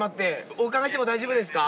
お伺いしても大丈夫ですか？